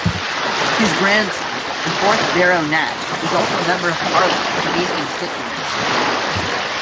His grandson, the fourth Baronet, was also Member of Parliament for these constituencies.